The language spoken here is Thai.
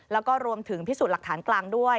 แล้วก็รวมถึงพิสูจน์หลักฐานกลางด้วย